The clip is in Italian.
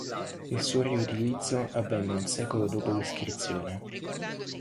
Il suo riutilizzo avvenne un secolo dopo l'iscrizione.